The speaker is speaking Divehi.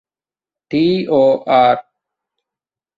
ޓީ.އޯ.އާރް.